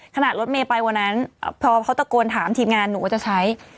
รถเมย์ไปวันนั้นพอเขาตะโกนถามทีมงานหนูก็จะใช้